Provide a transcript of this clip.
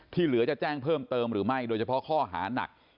เหลือจะแจ้งเพิ่มเติมหรือไม่โดยเฉพาะข้อหานัก